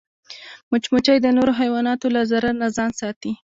مچمچۍ د نورو حیواناتو له ضرر نه ځان ساتي